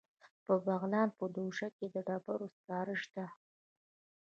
د بغلان په دوشي کې د ډبرو سکاره شته.